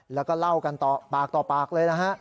แล้วก็เล่ากันต่อปากต่อปากเลยนะฮะ